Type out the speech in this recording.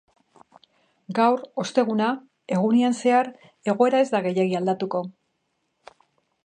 Gaur, osteguna, egunean zehar egoera ez da gehiegi aldatuko.